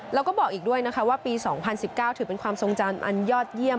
แล้วก็บอกอีกด้วยนะคะว่าปี๒๐๑๙ถือเป็นความทรงจำอันยอดเยี่ยม